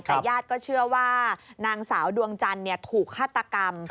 แต่ญาติก็เชื่อว่านางสาวดวงจันทร์ถูกฆาตกรรม